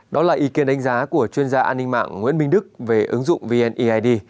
đó là ý kiến đánh giá của chuyên gia an ninh mạng nguyễn minh đức về ứng dụng vneid